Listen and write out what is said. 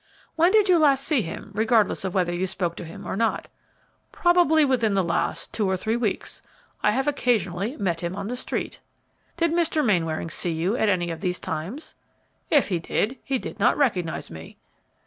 "When did you last see him, regardless of whether you spoke to him or not?" "Probably within the last two or three weeks. I have occasionally met him on the street." "Did Mr. Mainwaring see you at any of these times?" "If he did, he did not recognize me."